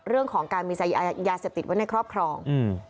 เรื่องของการมียาเสพติดไว้ในครอบครอง